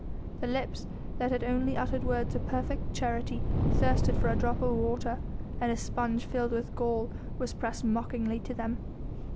The lips that had only uttered words of perfect charity thirsted for a drop of water, and a sponge filled with gall was pressed mockingly to them.